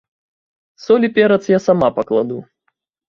Соль і перац я сама пакладу.